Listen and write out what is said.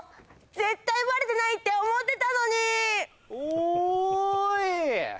絶対バレてないって思ってたのにおーい！